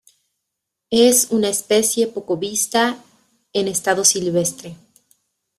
Es una especie poco vista en estado silvestre.